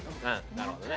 なるほどね。